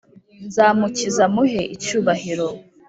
nzamukiza muhe icyubahiro.